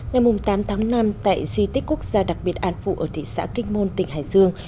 ngày tám tháng năm tại di tích quốc gia đặc biệt an phụ ở thị xã kinh môn tỉnh hải dương